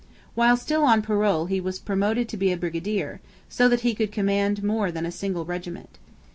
While still on parole he was promoted to be a brigadier, so that he could command more than a single regiment.